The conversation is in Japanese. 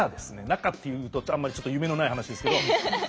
中って言うとあんまりちょっと夢のない話ですけど。